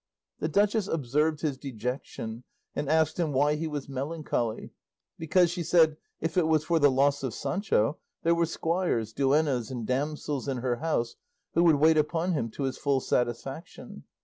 The duchess observed his dejection and asked him why he was melancholy; because, she said, if it was for the loss of Sancho, there were squires, duennas, and damsels in her house who would wait upon him to his full satisfaction.